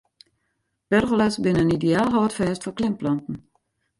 Pergola's binne in ideaal hâldfêst foar klimplanten.